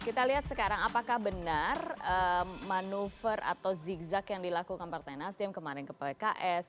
kita lihat sekarang apakah benar manuver atau zigzag yang dilakukan partai nasdem kemarin ke pks